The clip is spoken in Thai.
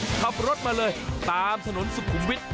ขับรถมาเลยตามถนนสุขุมวิทย